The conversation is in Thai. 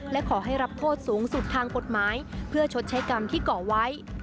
และขอให้รับโทษสูงสุดทางกฎหมายเพื่อชดใช้กรรมที่ก่อไว้